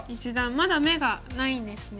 まだ眼がないんですね。